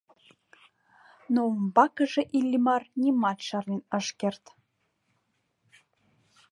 Но умбакыже Иллимар нимат шарнен ыш керт.